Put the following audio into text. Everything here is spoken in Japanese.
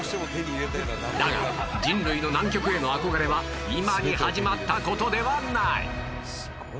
だが人類の南極への憧れは今に始まった事ではない